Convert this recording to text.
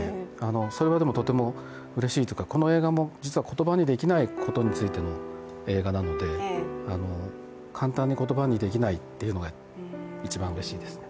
それはとてもうれしいというかこの映画も言葉にできないことについての映画なので、簡単に言葉にできないというのが一番うれしいですね。